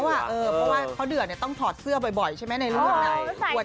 เพราะว่าเขาเดือดต้องถอดเสื้อบ่อยใช่ไหมในเรื่อง